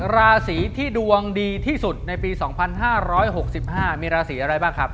ราศีที่ดวงดีที่สุดในปี๒๕๖๕มีราศีอะไรบ้างครับ